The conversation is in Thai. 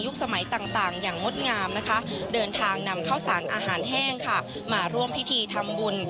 เข้าสารอาหารแห้งค่ะมาร่วมพิธีทำบุญ